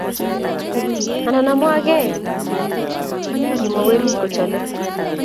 anan amwaa kei age kimwa werit kochole